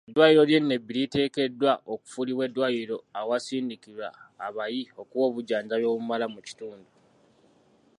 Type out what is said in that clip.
Eddwaliro ly'e Nebbi liteekeddwa okufuulibwa eddwaliro awasindikirwa abayi okuwa obujjanjabi obumala mu kitundu.